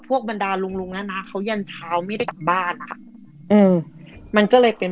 บรรดาลุงลุงแล้วนะเขายันเช้าไม่ได้กลับบ้านนะคะอืมมันก็เลยเป็น